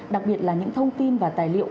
đặc biệt là những thông tin và tài liệu